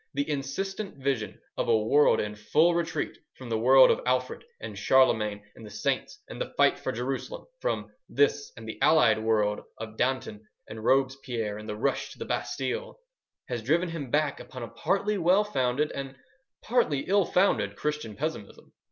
The insistent vision of a world in full retreat from the world of Alfred and Charlemagne and the saints and the fight for Jerusalem—from this and the allied world of Danton and Robespierre, and the rush to the Bastille—has driven him back upon a partly well founded and partly ill founded Christian pessimism.